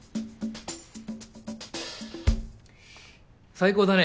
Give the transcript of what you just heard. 最高だね